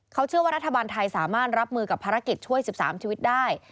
เขาเชื่อว่ารัฐบาลไทยสามารถรับมือกับภารกิจช่วย๑๓ชีวิตได้